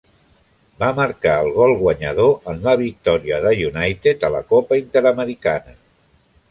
Va marcar el gol guanyador en la victòria de United a la Copa Interamericana.